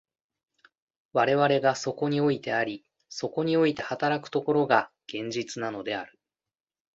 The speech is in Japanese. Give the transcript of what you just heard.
我々がそこにおいてあり、そこにおいて働く所が、現実なのである。